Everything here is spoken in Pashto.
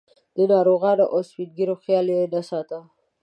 د ناروغانو او سپین ږیرو خیال یې نه ساته.